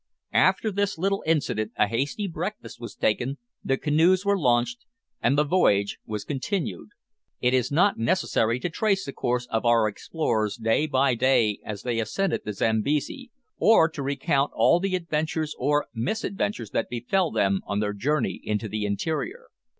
After this little incident a hasty breakfast was taken, the canoes were launched, and the voyage was continued. It is not necessary to trace the course of our explorers day by day as they ascended the Zambesi, or to recount all the adventures or misadventures that befell them on their journey into the interior.